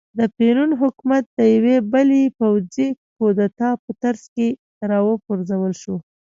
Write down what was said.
د پېرون حکومت د یوې بلې پوځي کودتا په ترڅ کې را وپرځول شو.